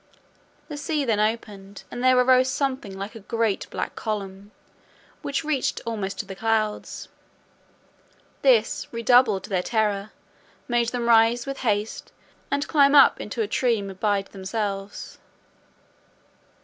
The sea then opened, and there arose something like a great black column, which reached almost to the clouds. This redoubled their terror, made them rise with haste, and climb up into a tree m bide themselves.